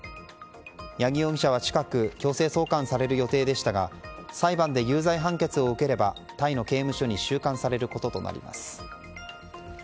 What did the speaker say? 八木容疑者は近く強制送還される予定でしたが裁判で有罪判決を受ければタイの刑務所に収監されることとなります。